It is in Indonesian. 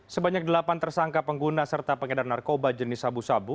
sebanyak delapan tersangka pengguna serta pengedar narkoba jenis sabu sabu